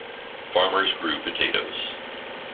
Farmers grew potatoes.